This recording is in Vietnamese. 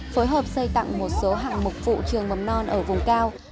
phối hợp xây tặng một số hạng mục vụ trường mầm non ở vùng cao